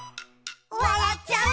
「わらっちゃう」